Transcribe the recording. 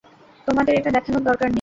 তোমাদের এটা দেখানোর দরকার নেই।